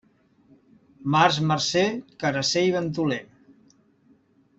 Març marcer, carasser i ventoler.